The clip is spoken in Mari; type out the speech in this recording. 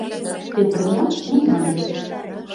Кӧ пырля — мемнан дек